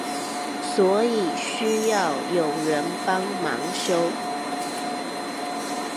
所以需要有人幫忙修